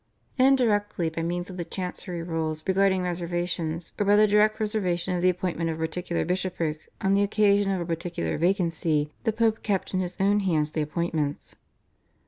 Indirectly by means of the chancery rules regarding reservations, or by the direct reservation of the appointment of a particular bishopric on the occasion of a particular vacancy, the Pope kept in his own hands the appointments.